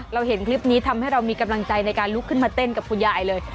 เห็นคลิปนี้ทำให้เรามีกำลังใจในการลุกขึ้นมาเต้นกับคุณยายเลย